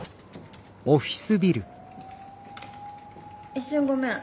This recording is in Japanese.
一瞬ごめん。